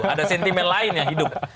ada sentimen lain yang hidup